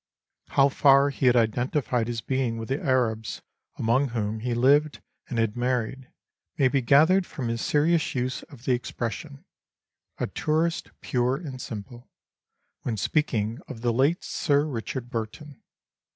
How far he had indentified his being with the Arabs, among whom he lived and had married, may be gathered from his serious use of the expression " A tourist, pure and simple," when speaking of the late Sir Richard Burton.